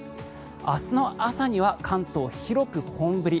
明日の朝には関東広く本降り。